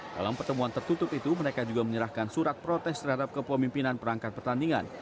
dalam pertemuan tertutup itu mereka juga menyerahkan surat protes terhadap kepemimpinan perangkat pertandingan